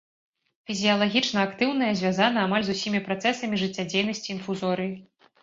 Фізіялагічна актыўнае, звязана амаль з усімі працэсамі жыццядзейнасці інфузорыі.